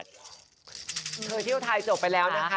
เคยเที่ยวไทยจบไปแล้วนะคะ